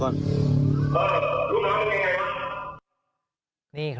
เข้าส่องน้องก่อน